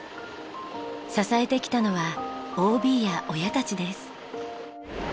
支えてきたのはＯＢや親たちです。